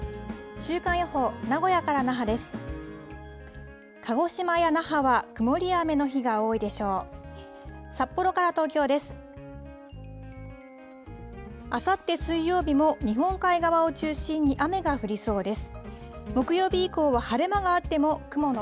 週間予報、名古屋から那覇です。